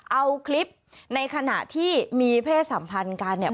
เอาคลิปในขณะที่มีเพศสัมพันธ์กันเนี่ย